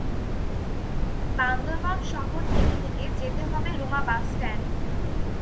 বান্দরবান শহর থেকে থেকে যেতে হবে রুমা বাসস্ট্যান্ড।